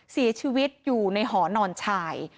เสียชีวิตอยู่ในหอนอนชาย